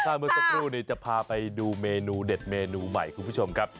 ถ้าเมื่อสักครู่นี้จะพาไปดูเมนูเด็ดเมนูใหม่คุณผู้ชมครับ